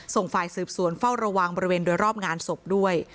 ส่งฝ่ายสืบสวนเฝ้าระวังบริเวณโดยรอบงานศพด้วย